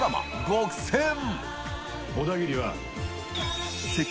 「ごくせん」